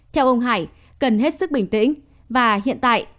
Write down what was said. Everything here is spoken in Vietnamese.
theo ông hải cần hết sức bình tĩnh và hiện tại